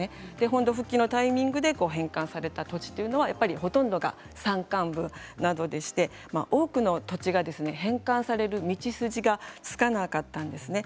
本土復帰のタイミングで返還された土地というのはほとんどが山間部などでして多くの土地が返還される道筋がつかなかったんですね。